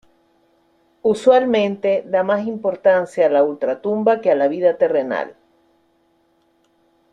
Usualmente da más importancia a la ultratumba que a la vida terrenal.